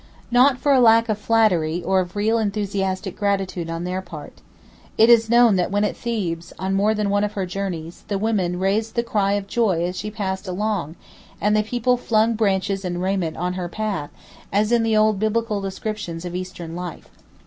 Not for lack of flattery or of real enthusiastic gratitude on their part. It is known that when at Thebes, on more than one of her journeys, the women raised the "cry of joy" as she passed along, and the people flung branches and raiment on her path, as in the old Biblical descriptions of Eastern life.